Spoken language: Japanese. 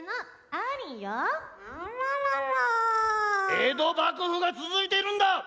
江戸幕府が続いているんだ！